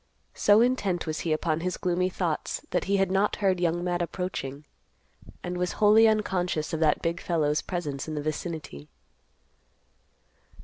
So intent was he upon his gloomy thoughts that he had not heard Young Matt approaching, and was wholly unconscious of that big fellow's presence in the vicinity.